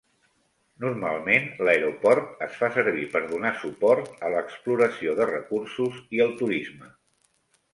Normalment, l'aeroport es fa servir per donar suport a l'exploració de recursos i el turisme.